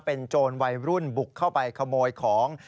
เป็นโจรวัยรุ่นบุกเข้าไปขโมยของ